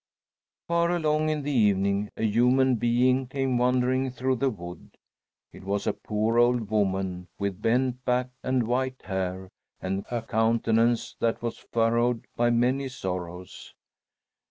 Far along in the evening a human being came wandering through the wood. It was a poor old woman with bent back and white hair, and a countenance that was furrowed by many sorrows.